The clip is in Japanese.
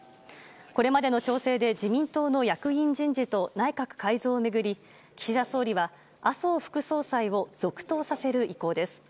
これまでの調整で自民党の役員人事と内閣改造を巡り、岸田総理は麻生副総裁を続投させる意向です。